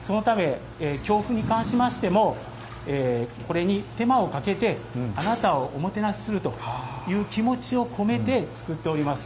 そのため、京麩に関しましてもこれに手間をかけてあなたをおもてなしするという気持ちを込めて、作っております。